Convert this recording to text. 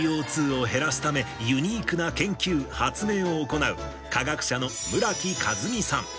ＣＯ２を減らすため、ユニークな研究、発明を行う、化学者の村木風海さん。